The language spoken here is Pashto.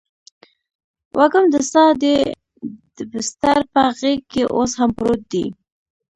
وږم د ساه دی دبسترپه غیږکې اوس هم پروت دي